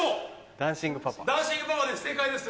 ダンシングパパです正解です。